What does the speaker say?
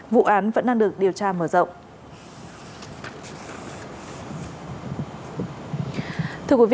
vụ án vẫn đang được điều tra mở rộng